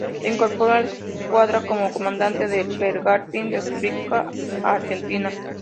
Se incorporó a la escuadra como comandante del bergantín "República Argentina".